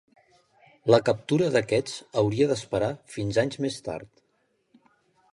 La captura d'aquests hauria d'esperar fins anys més tard.